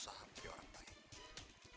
saya akan berusaha mencari orang baik